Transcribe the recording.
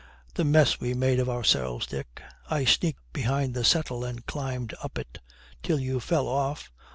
'The mess we made of ourselves, Dick.' 'I sneaked behind the settle and climbed up it.' 'Till you fell off.'